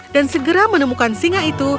dan segera menemukan singa itu